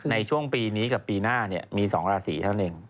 ในช่วงปีนี้กับปีหน้ามีสองราศีทั้งหนึ่ง